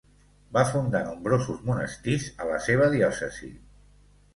Va fundar nombrosos monestirs a la seva diòcesi.